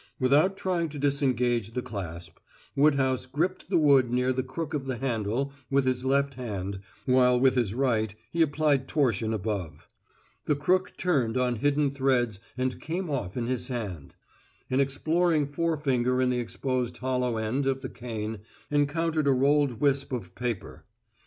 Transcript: Without trying to disengage the clasp, Woodhouse gripped the wood near the crook of the handle with his left Hand while with his right he applied torsion above. The crook turned on hidden threads and came off in his hand. An exploring forefinger in the exposed hollow end of the cane encountered a rolled wisp of paper.